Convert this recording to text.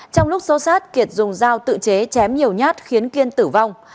trong lúc xô sát kiệt dùng dao tự chế chém nhiều nhát khiến kiên tử vong